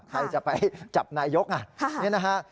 ใครจะไปจับนายกนี่นะฮะ